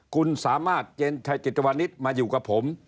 คุณสามารถเจนชัยจิตวานิสมาอยู่กับผม